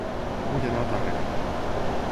Vull anar a Tàrrega